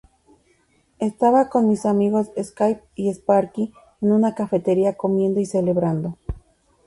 Estaba con sus amigos Skip y Sparky en una cafetería comiendo y celebrando.